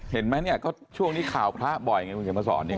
เห็นไหมเนี่ยก็ช่วงนี้ข่าวพระบ่อยไงคุณเขียนมาสอนนี่